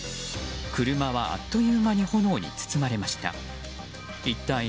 車は、あっという間に炎に包まれました。